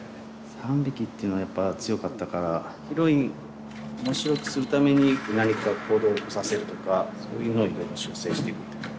３匹っていうのはやっぱ強かったからヒロイン面白くするために何か行動を起こさせるとかそういうのをいろいろ修正していくって感じ。